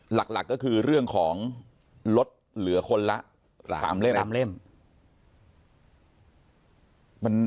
หลักก็คือเรื่องของลดเหลือคนละ๓เล่ม๓เล่ม